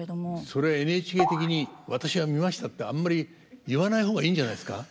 それＮＨＫ的に「私は見ました」ってあんまり言わない方がいいんじゃないんですか。